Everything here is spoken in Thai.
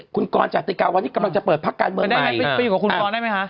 คุณกรจติกาวันนี้กำลังจะเปิดพักการเมืองได้ไงไปอยู่กับคุณกรได้ไหมคะ